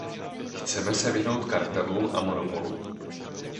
Chceme se vyhnout kartelům a monopolům.